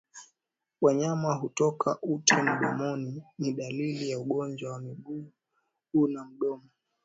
Wanyama kutoka ute mdomoni ni dalili ya ugonjwa wa miguu na mdomo